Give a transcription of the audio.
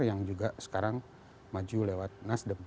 yang juga sekarang maju lewat nasdem